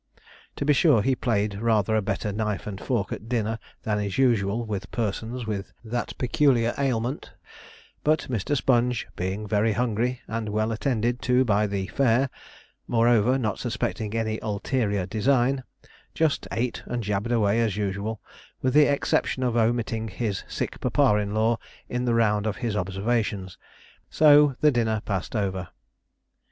To be sure, he played rather a better knife and fork at dinner than is usual with persons with that peculiar ailment; but Mr. Sponge, being very hungry, and well attended to by the fair moreover, not suspecting any ulterior design just ate and jabbered away as usual, with the exception of omitting his sick papa in law in the round of his observations. So the dinner passed over.